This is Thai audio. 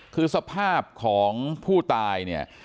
คือสภาพของผู้ตายเนี่ย